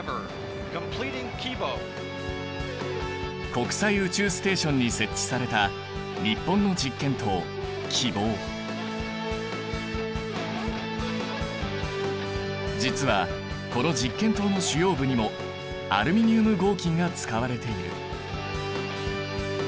国際宇宙ステーションに設置された実はこの実験棟の主要部にもアルミニウム合金が使われている。